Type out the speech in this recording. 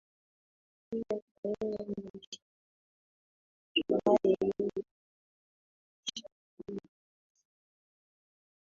hiyo kwa hiyo mheshimiwa sumae hiyo inamaanisha kwamba hukubaliani na